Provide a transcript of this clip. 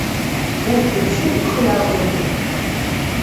Урҭ рыбжьы ихы иалаӡомызт.